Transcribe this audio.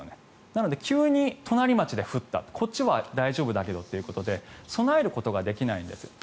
なので、急に隣町で降ったこっちは大丈夫だけどということで備えることができないんですよ。